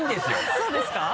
そうですか？